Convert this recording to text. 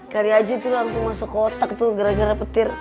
kari haji tuh langsung masuk kotak tuh gara gara petir